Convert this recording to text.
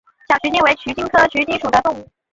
小鼩鼱为鼩鼱科鼩鼱属的动物。